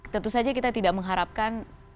tentu saja kita tidak mengharapkan